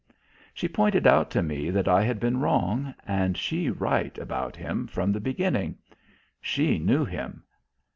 She pointed out to me that I had been wrong and she right about him, from the beginning. She knew him.